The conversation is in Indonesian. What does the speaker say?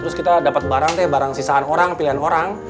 terus kita dapat barang sisaan orang pilihan orang